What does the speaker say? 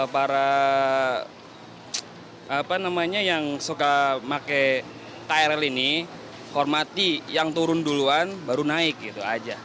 para apa namanya yang suka pakai krl ini hormati yang turun duluan baru naik gitu aja